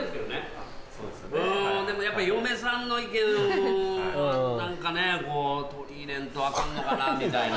やっぱり嫁さんの意見を何かね取り入れんとアカンのかなぁみたいな。